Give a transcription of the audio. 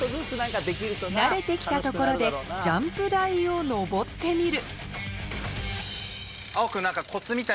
慣れて来たところでジャンプ台を上ってみる葵央くん何か。